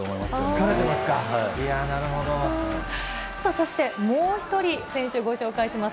そして、もう１人、選手ご紹介します。